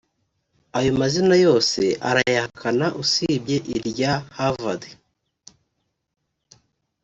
Aya mazina yose arayahakana usibye irya Havard